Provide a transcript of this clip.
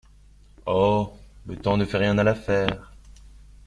Oh! Le temps ne fait rien à l’affaire...